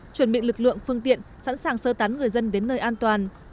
chuẩn bị lực lượng phương tiện sẵn sàng sơ tán người dân đến nơi an toàn